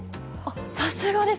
さすがです！